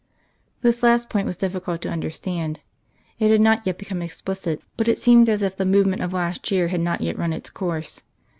This last point was difficult to understand; it had not yet become explicit, but it seemed as if the movement of last year had not yet run its course.